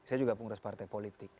saya juga pengurus partai politik